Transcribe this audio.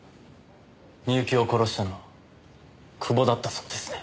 深雪を殺したの久保だったそうですね。